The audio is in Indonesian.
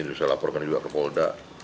itu saya laporkan juga ke polda